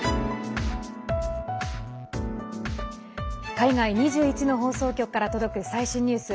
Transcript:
海外２１の放送局から届く最新ニュース。